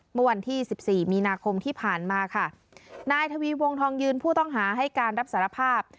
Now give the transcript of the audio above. เมื่อวันที่สิบสี่มีนาคมที่ผ่านมาค่ะนายทวีวงทองยืนผู้ต้องหาให้การรับสารภาพ